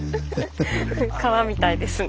川みたいですね。